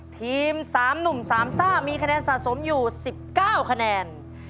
ทีม๓หนุ่ม๓ซ่ามีคะแนนสะสมอยู่๑๙คะแนน